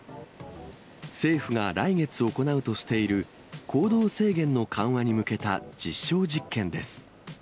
政府が来月行うとしている行動制限の緩和に向けた実証実験です。